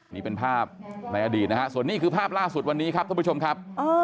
นี่เป็นภาพในอดีตนะฮะส่วนนี้คือภาพล่าสุดวันนี้ครับท่านผู้ชมครับ